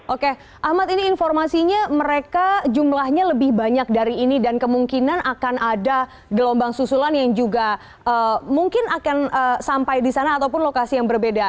oke ahmad ini informasinya mereka jumlahnya lebih banyak dari ini dan kemungkinan akan ada gelombang susulan yang juga mungkin akan sampai di sana ataupun lokasi yang berbeda